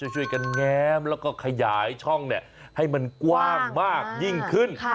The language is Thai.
ช่วยกันแง้มแล้วก็ขยายช่องให้มันกว้างมากยิ่งขึ้น